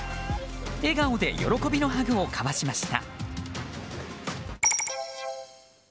笑顔で喜びのハグを交わしました。